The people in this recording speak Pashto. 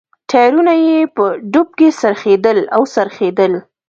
ټایرونه یې په ډب کې څرخېدل او څرخېدل.